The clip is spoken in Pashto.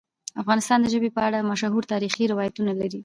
افغانستان د ژبې په اړه مشهور تاریخی روایتونه لري.